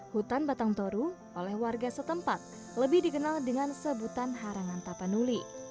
hutan batang toru oleh warga setempat lebih dikenal dengan sebutan harangan tapanuli